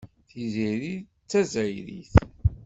Tiziri d Tazzayrit.